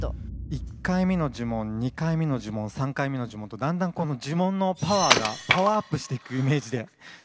１回目の呪文２回目の呪文３回目の呪文とだんだんこの呪文のパワーがパワーアップしていくイメージで作ったので。